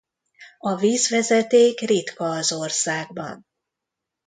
A vízvezeték ritka az országban.